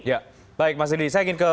ya baik mas didi saya ingin ke